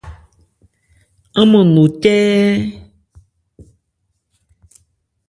Án mân no cɛ́ɛ́.